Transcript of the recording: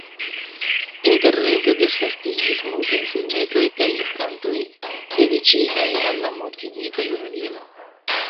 Interrete disvastiĝis multaj filmetoj kaj kantoj, dediĉitaj al la mortigita junulino.